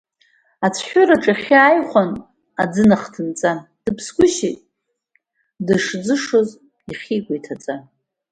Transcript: Ацәҳәыраҿ ахьы ааихәан аӡы нахҭынҵа, дыԥсгәышьеит дышӡышоз ихьы икәа иҭаҵа.